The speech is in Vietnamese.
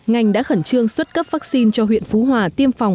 ngành đã khẩn trương xuất cấp vaccine cho huyện phú hòa tiêm phòng